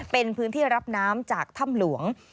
เป็นพื้นที่รับน้ำจากถ้ำหลวง